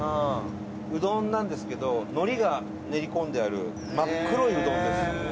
うどんなんですけど海苔が練り込んである真っ黒いうどんです。